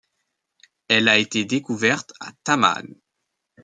Elle a été découverte à Tamán.